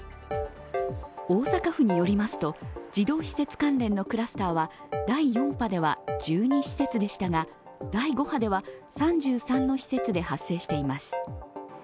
大阪府によりますと児童施設関連のクラスターは第４波では１２施設でしたが第５波では３３の施設で発生しています。